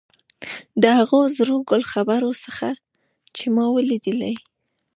د هغو زرو ګل خبرو څخه چې ما ولیدلې.